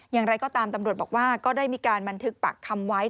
อย่างไรก็ตามตำรวจบอกว่าก็ได้มีการบันทึกปากคำไว้